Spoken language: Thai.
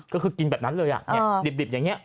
ก็คือกินแบบนั้นเลย